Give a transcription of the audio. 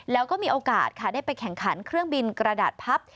แล้วก็มีโอกาสค่ะได้ไปแข่งขันเครื่องบินกระดาษพับ